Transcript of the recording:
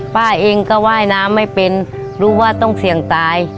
ป้าเองก็ว่ายน้ำไม่เป็นรู้ว่าต้องเสี่ยงตาย